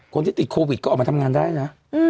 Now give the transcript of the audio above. คนที่ติดโควิดก็ออกมาทำงานได้นะ